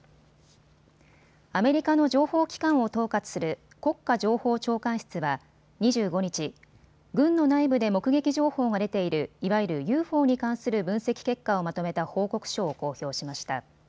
アメリカの情報機関を統括する国家情報長官室は２５日、軍の内部で目撃情報が出ているいわゆるＵＦＯに関する分析結果をまとめた報告書を公表しました。